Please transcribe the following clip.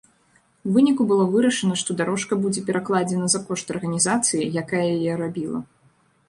У выніку было вырашана, што дарожка будзе перакладзена за кошт арганізацыі, якая яе рабіла.